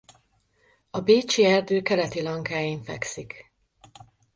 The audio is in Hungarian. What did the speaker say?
A bécsi erdő keleti lankáin fekszik.